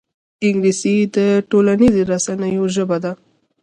انګلیسي د ټولنیزو رسنیو ژبه ده